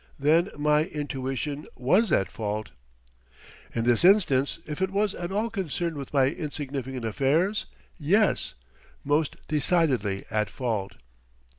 "Then my intuition was at fault!" "In this instance, if it was at all concerned with my insignificant affairs, yes most decidedly at fault."